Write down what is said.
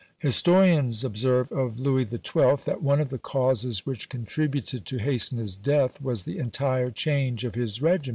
Historians observe of Louis XII. that one of the causes which contributed to hasten his death was the entire change of his regimen.